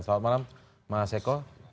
selamat malam mas eko